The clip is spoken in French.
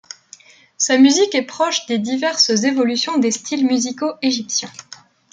Sa musique est proche des diverses évolutions des styles musicaux égyptiens.